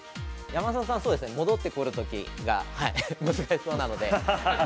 ◆山里さん戻ってくるときが難しそうなので。